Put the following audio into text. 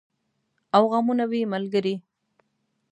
او غمونه وي ملګري